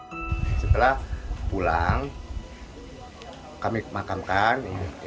setelah pulang kami makamkan